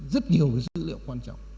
rất nhiều dữ liệu quan trọng